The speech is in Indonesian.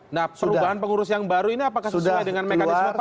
nah perubahan pengurus yang baru ini apakah sesuai dengan mekanisme